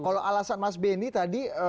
kalau alasan mas benny tadi